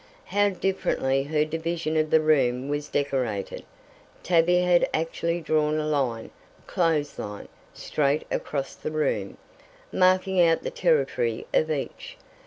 How differently her division of the room was decorated! Tavia had actually drawn a line clothes line straight across the room, marking out the territory of each.